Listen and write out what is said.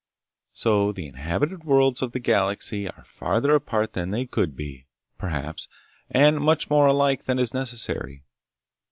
So the inhabited worlds of the galaxy are farther apart than they could be, perhaps, and much more alike than is necessary.